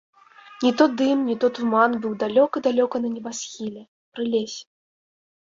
Не то дым, не то туман быў далёка-далёка на небасхіле, пры лесе.